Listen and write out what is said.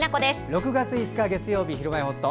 ６月５日、月曜日の「ひるまえほっと」。